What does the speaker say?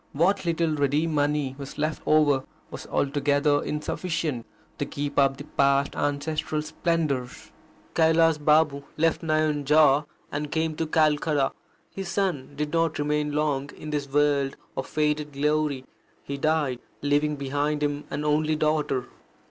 What little ready money was left over was altogether insufficient to keep up the past ancestral splendours. Kailas Babu left Nayanjore, and came to Calcutta. His son did not remain long in this world of faded glory. He died, leaving behind him an only daughter.